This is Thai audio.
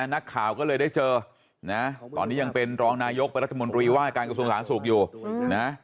นักข่าวก็เลยได้เจอตอนนี้ยังเป็นรองนายกบรรทมนตรีว่าอาการกระทรวงสารสูงอยู่